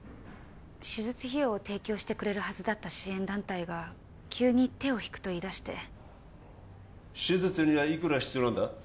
手術費用を提供してくれるはずだった支援団体が急に手を引くと言いだして手術にはいくら必要なんだ？